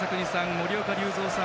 森岡隆三さん